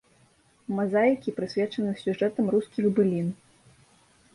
Мазаікі прысвечаны сюжэтам рускіх былін.